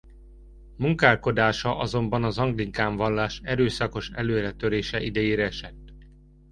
Munkálkodása azonban az anglikán vallás erőszakos előretörése idejére esett.